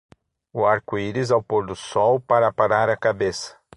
O arco-íris ao pôr do sol, para parar a cabeça.